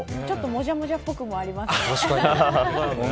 ちょっともじゃもじゃっぽくもありますね。